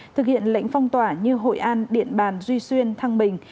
thực hiện lệnh phong tỏa như hội an điện bàn duy xuyên thăng bình